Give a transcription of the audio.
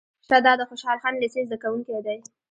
شه دا د خوشحال خان لېسې زده کوونکی دی.